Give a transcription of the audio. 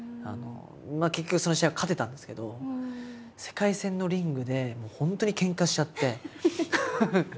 結局その試合は勝てたんですけど世界戦のリングで本当にケンカしちゃって。